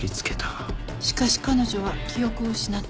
しかし彼女は記憶を失った。